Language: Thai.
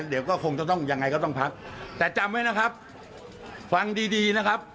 เดี๋ยวก็คงจะต้องยังไงก็ต้องพักแต่จำไว้นะครับฟังดีดีนะครับ